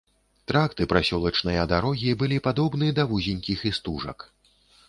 Тракт і прасёлачныя дарогі былі падобны да вузенькіх істужак.